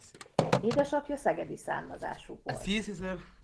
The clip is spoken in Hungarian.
Édesapja szegedi származású volt.